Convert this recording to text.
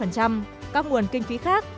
các nguồn kinh phí khác